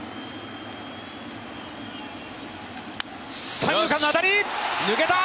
三遊間の当たり、抜けた！